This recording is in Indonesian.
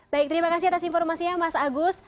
baik terima kasih atas informasinya mas agus